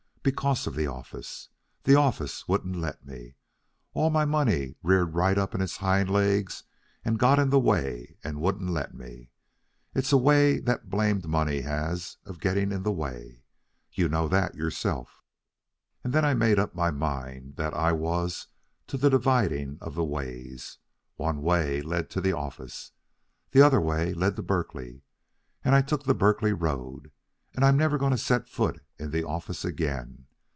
Because of the office. The office wouldn't let me. All my money reared right up on its hind legs and got in the way and wouldn't let me. It's a way that blamed money has of getting in the way. You know that yourself. "And then I made up my mind that I was to the dividing of the ways. One way led to the office. The other way led to Berkeley. And I took the Berkeley road. I'm never going to set foot in the office again.